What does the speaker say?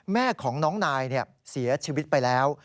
แม่ของน้องนายเสียชีวิตไปแล้ว